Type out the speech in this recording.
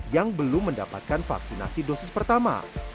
yang belum mendapatkan vaksinasi dosis pertama